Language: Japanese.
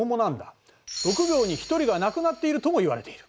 ６秒に１人が亡くなっているともいわれている。